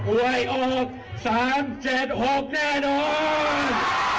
คราวนี้หวยอบ๓๗๖แน่นอน